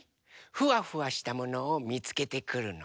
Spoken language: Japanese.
フワフワしたものをみつけてくるの。